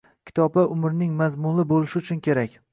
Kitoblar umrning mazmunli bo’lishi uchun kerak.